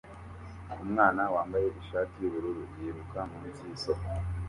Umwana wambaye ishati yubururu yiruka munsi yisoko